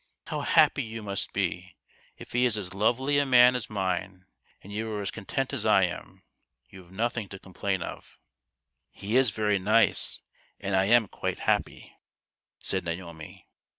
" How happy you must be ! If he is as lovely a man as mine, and you are as content as I am, you have nothing to complain of! " "He is very nice, and I am quite happy," said Naomi.